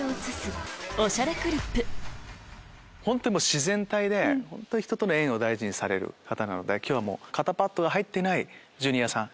自然体で本当に人との縁を大事にされる方なので今日は肩パッドが入ってないジュニアさん。